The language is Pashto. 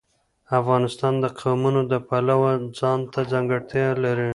افغانستان د قومونه د پلوه ځانته ځانګړتیا لري.